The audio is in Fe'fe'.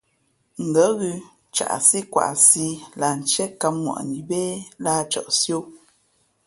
Ngα̌ ghʉ̌ caꞌsí kwaʼsi lah ntié kǎm ŋwαꞌni bé lǎh cαꞌsi ō.